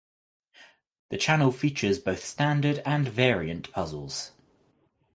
The channel features both standard and variant puzzles.